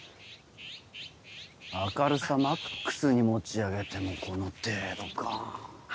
明るさマックスに持ち上げてもこの程度か。